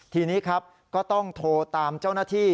ทีนี้ครับก็ต้องโทรตามเจ้าหน้าที่